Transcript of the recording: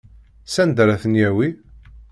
Sanda ara ten-yawi?